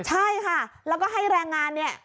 ใช่ค่ะแล้วก็ให้แรงงานเนี่ย